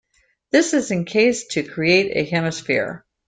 This is encased to create a hemisphere.